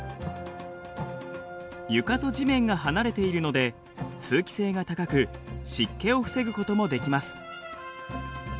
床と地面が離れているので通気性が高く湿気を防ぐこともできます。